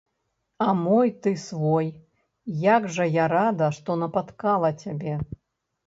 А мой ты свой, як жа я рада, што напаткала цябе.